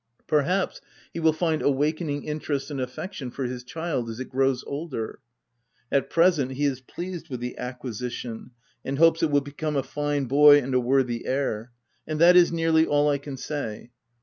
Perhaps, he will feel awakening interest and affection for his child as it grows older. At present, he is pleased with the acquisition, and hopes it will become a fine boy and a worthy heir ; and that is nearly all I can say.